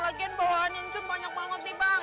lagian bawahannya encon banyak banget nih bang